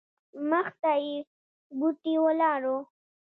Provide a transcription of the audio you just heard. مخته یې بوټې ولاړ وو.